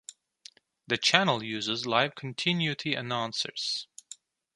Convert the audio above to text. The channel uses live continuity announcers.